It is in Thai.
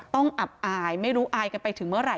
อับอายไม่รู้อายกันไปถึงเมื่อไห